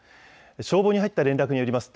消防に入った連絡によります